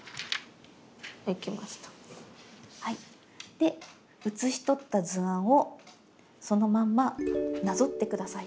で写しとった図案をそのまんまなぞって下さい。